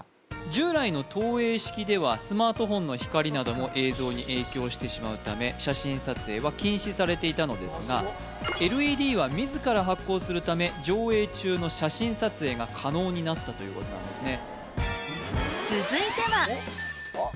従来の投映式ではスマートフォンの光なども映像に影響してしまうため写真撮影は禁止されていたのですがＬＥＤは自ら発光するため上映中の写真撮影が可能になったということなんですね